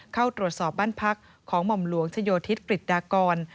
เข้าตรวจสอบบ้านพักของหม่อมหลวงชโยธิศกฤษดากร